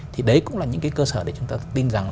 thì đấy cũng là những cái cơ sở để chúng ta tin rằng